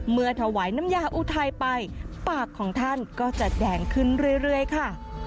เมื่อถวายน้ำยาอุทัยไปปากของท่านก็จะแดงขึ้นเรื่อยค่ะ